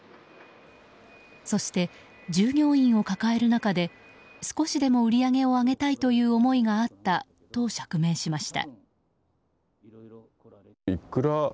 そして、従業員を抱える中で少しでも売り上げを上げたいという思いがあったと釈明しました。